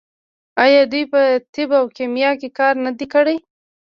آیا دوی په طب او کیمیا کې کار نه دی کړی؟